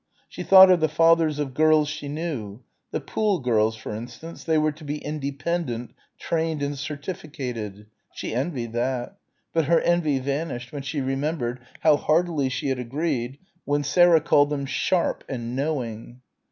She thought of the fathers of girls she knew the Poole girls, for instance, they were to be "independent" trained and certificated she envied that but her envy vanished when she remembered how heartily she had agreed when Sarah called them "sharp" and "knowing."